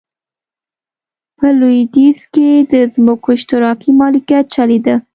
په لوېدیځ کې د ځمکو اشتراکي مالکیت چلېده.